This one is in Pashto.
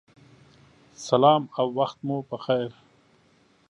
سلام او وخت مو پخیر